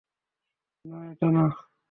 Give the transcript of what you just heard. না, এটা না।